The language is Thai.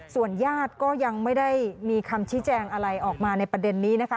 ส่วนญาติก็ยังไม่ได้มีคำชี้แจงอะไรออกมาในประเด็นนี้นะคะ